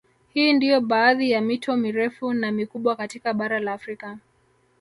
Hii ndio baadhi ya mito mirefu na mikubwa katika Bara la Afrika